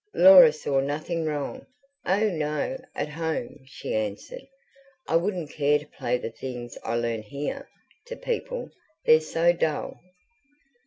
Laura saw nothing wrong. "Oh, no, at home," she answered. "I wouldn't care to play the things I learn here, to people. They're so dull."